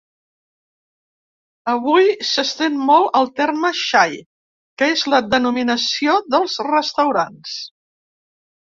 Avui s’estén molt el terme xai, que és la denominació dels restaurants.